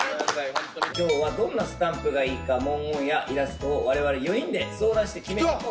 今日はどんなスタンプがいいか文言やイラストを我々４人で相談して決めて。